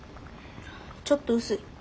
ちょっと薄い。